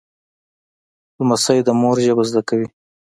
لمسی د مور ژبه زده کوي.